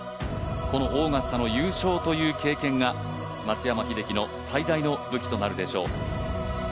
このオーガスタの優勝という経験が松山英樹の最大の武器となるでしょう。